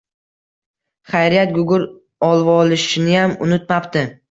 Xayriyat, gugurt olvolishniyam unutmabdi